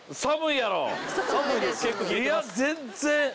いや全然。